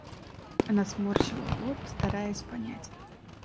Она сморщила лоб, стараясь понять.